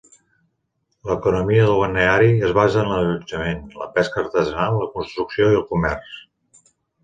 L'economia del balneari es basa en l'allotjament, la pesca artesanal, la construcció i el comerç.